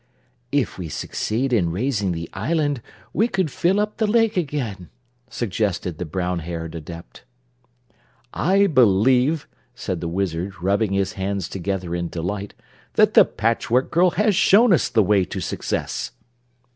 "If we succeed in raising the island we could fill up the lake again," suggested the brown haired Adept. "I believe," said the Wizard, rubbing his hands together in delight, "that the Patchwork Girl has shown us the way to success."